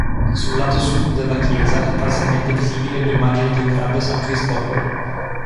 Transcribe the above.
Sul lato sud della chiesa è parzialmente visibile l'immagine di un grande "San Cristoforo".